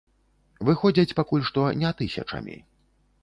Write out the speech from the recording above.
Выходзяць пакуль што не тысячамі.